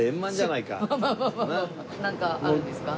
なんかあるんですか？